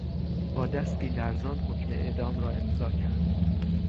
با دستی لرزان حکم اعدام را امضا کرد.